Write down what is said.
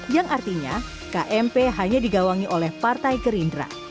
yang artinya kmp hanya digawangi oleh partai gerindra